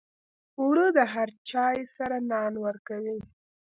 اوړه د هر چای سره نان ورکوي